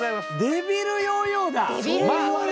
デビルヨーヨー？